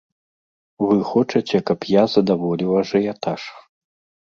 Вы хочаце, каб я задаволіў ажыятаж.